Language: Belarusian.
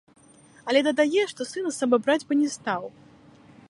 Але дадае, што сына з сабой браць бы не стаў.